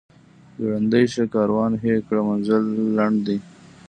ګړندی شه کاروان هی کړه منزل لنډ دی.